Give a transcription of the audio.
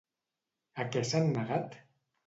A què s'han negat?